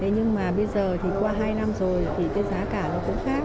nhưng mà bây giờ qua hai năm rồi giá cả cũng khác